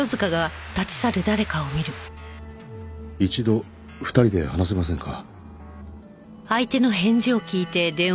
一度２人で話せませんか？